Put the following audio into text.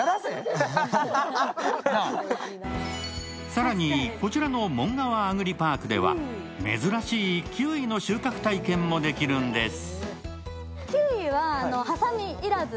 更に、こちらのもんがわアグリパークでは、珍しいキウイの収穫体験もできるんです。